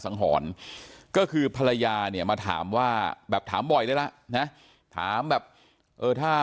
สังหรณ์ก็คือภรรยาเนี่ยมาถามว่าแบบถามบ่อยแล้วนะถามแบบถ้า